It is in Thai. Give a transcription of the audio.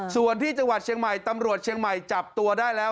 ส่วนที่จังหวัดเชียงใหม่ตำรวจเชียงใหม่จับตัวได้แล้ว